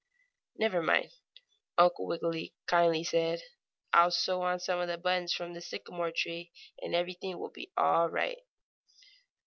"Never mind," Uncle Wiggily kindly said. "I'll sew on some of the buttons from the sycamore tree, and everything will be all right."